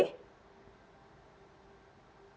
ya sudah ada